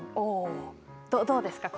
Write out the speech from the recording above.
どうですか？